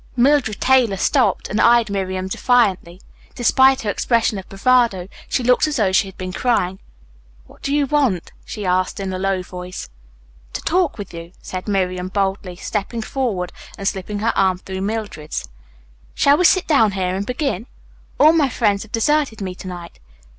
Mildred Taylor stopped and eyed Miriam defiantly. Despite her expression of bravado, she looked as though she had been crying. "What do you want?" she asked in a low voice. "To talk with you," said Miriam boldly, stepping forward and slipping her arm through Mildred's. "Shall we sit down here and begin? All my friends have deserted me to night.